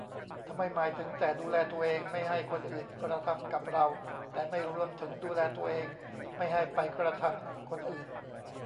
ทำไมหมายถึงแต่ ดูแลตัวเองไม่ให้คนอื่นกระทำกับเรา แต่ไม่รวมถึง ดูแลตัวเองไม่ให้ไปกระทำคนอื่น ?